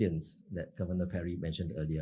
yang dato perry sebutkan sebelumnya